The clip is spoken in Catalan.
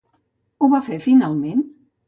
Ho va fer finalment?